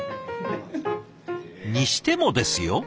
にしてもですよ？